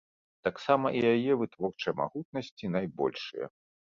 Таксама і яе вытворчыя магутнасці найбольшыя.